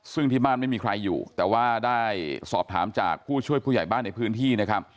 ซึ่งที่บ้านไม่มีใครอยู่แต่ว่าได้สอบถามจากผู้ช่วยผู้ใหญ่บ้านในพื้นที่นะครับ